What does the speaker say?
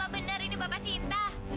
apa benar ini bapak sinta